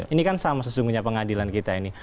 ini kan sama sesungguhnya pengadilan kita ini